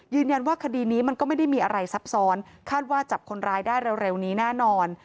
คดีนี้มันก็ไม่ได้มีอะไรซับซ้อนคาดว่าจับคนร้ายได้เร็วนี้แน่นอน